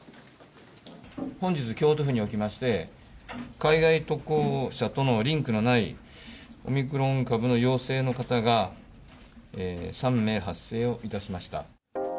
本日京都府におきまして、海外渡航者とのリンクのないオミクロン株の陽性の方が３名発生をいたしました。